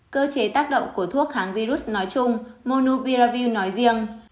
cơ chế tác động của thuốc kháng virus nói chung monubiravil nói riêng